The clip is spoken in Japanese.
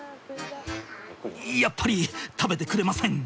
やっぱり食べてくれません！